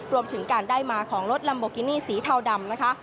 รวมถึงการได้มาของรถลัมโบกินี่สีเทาดำนะคะ